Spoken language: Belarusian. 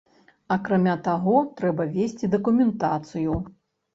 Акрамя таго, трэба весці дакументацыю.